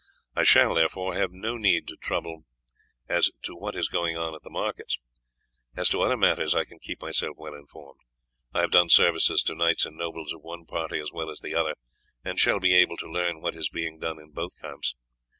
I shall, therefore, have no need to trouble as to what is going on at the markets. As to other matters I can keep myself well informed. I have done services to knights and nobles of one party as well as the other, and shall be able to learn what is being done in both camps.